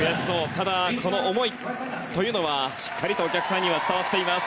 ただ、この思いというのはしっかりとお客さんには伝わっています。